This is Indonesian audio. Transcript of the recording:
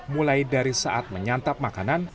mulai dari saat menyantap makanan